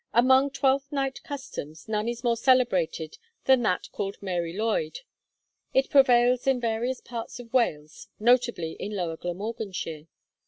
Among Twelfth Night customs, none is more celebrated than that called Mary Lwyd. It prevails in various parts of Wales, notably in lower Glamorganshire.